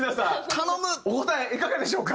お答えいかがでしょうか？